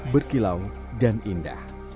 berkilau dan indah